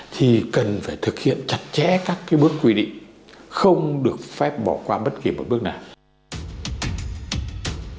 thì cần phải thực hiện chặt chẽ các cái bước quy định không được phép bỏ qua bất kỳ một bước nào